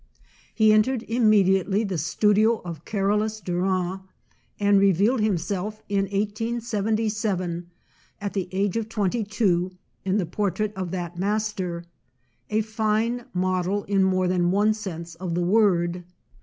He en tered immediately the studio of Carolus Duran, and revealed himself in 1877, at the age of twenty two, in the portrait of that master â a fine model in more than one sense of the word.